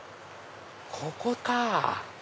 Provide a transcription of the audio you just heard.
ここかぁ。